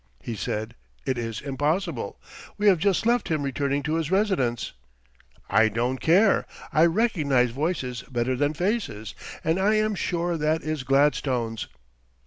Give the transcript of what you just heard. He said: "It is impossible. We have just left him returning to his residence." "I don't care; I recognize voices better than faces, and I am sure that is Gladstone's."